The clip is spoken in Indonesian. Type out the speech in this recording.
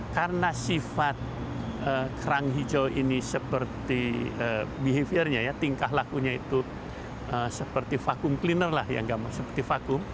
karena sifat kerang hijau ini seperti behaviornya tingkah lakunya itu seperti vakum cleaner lah yang gamau